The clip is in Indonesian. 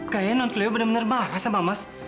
kayaknya nang cleo bener bener marah sama mas